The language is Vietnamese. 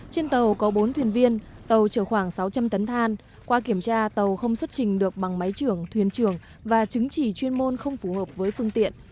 trên tàu có bốn thuyền viên tàu chở khoảng sáu trăm linh tấn than qua kiểm tra tàu không xuất trình được bằng máy trưởng thuyền trường và chứng chỉ chuyên môn không phù hợp với phương tiện